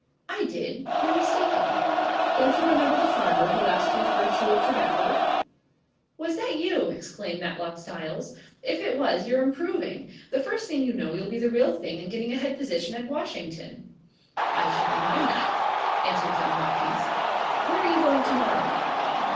"I did? You're mistaken." "Don't you remember the farmer who asked you for a chew of terbacker?" "Was that you?" exclaimed Matlock Styles. "If it was you're improving. The first thing you know you'll be the real thing and getting a head position at Washington." "I shouldn't mind that," answered John Watkins. "Where are you going to morrow?"